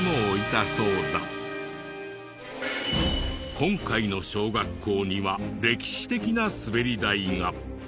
今回の小学校には歴史的なスベリ台が。